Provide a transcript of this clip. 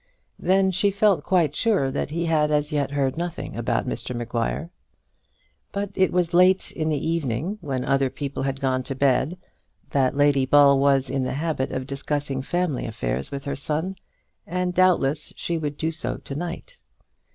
Then she felt quite sure that he had as yet heard nothing about Mr Maguire. But it was late in the evening, when other people had gone to bed, that Lady Ball was in the habit of discussing family affairs with her son, and doubtless she would do so to night.